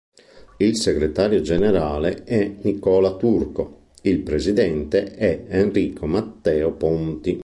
Il segretario generale è Nicola Turco, il presidente è Enrico Matteo Ponti.